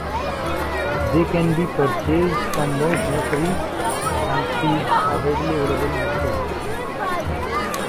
They can be purchased from most nurseries, and seeds are readily available in stores.